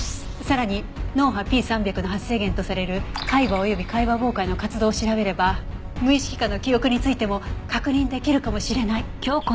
さらに脳波Ｐ３００の発生源とされる海馬および海馬傍回の活動を調べれば無意識下の記憶についても確認出来るかもしれない。